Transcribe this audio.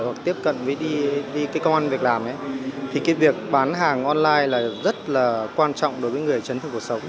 hoặc tiếp cận với công an việc làm thì việc bán hàng online rất quan trọng đối với người chấn thương cuộc sống